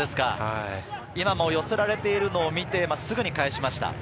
今も寄せられているのを見てすぐに返しました。